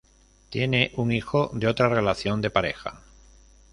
Tiene un hijo de otra relación de pareja.